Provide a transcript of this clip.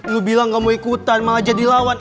lu bilang gak mau ikutan malah jadi lawan